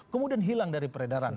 kemudian hilang dari peredaran